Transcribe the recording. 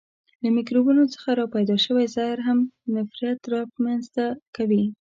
له میکروبونو څخه را پیدا شوی زهر هم نفریت را منځ ته کوي.